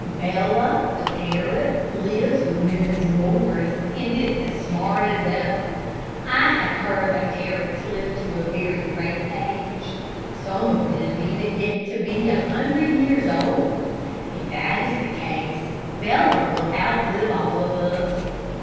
Bella, the parrot, lives with Mrs. Morris, and is as smart as ever. I have heard that parrots live to a very great age. Some of them even get to be a hundred years old. If that is the case, Bella will outlive all of us.